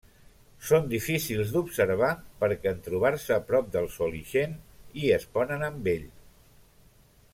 Són difícils d'observar perquè en trobar-se prop del Sol ixen i es ponen amb ell.